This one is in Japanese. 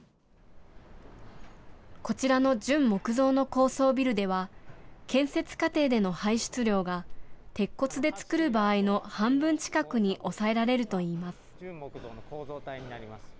こちらの純木造の高層ビルでは、建設過程での排出量が鉄骨で作る場合の半分近くに抑えられるといいます。